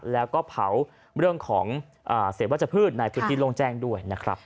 แล้วก็เผาเรื่องของเสพวัตเจ้าพืชในพิวทิลงแจ้งด้วยนะครับ